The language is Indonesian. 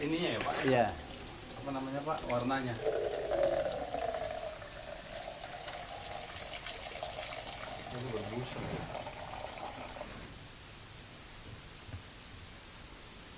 ini misalnya kemarau ini pak